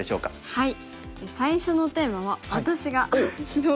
はい。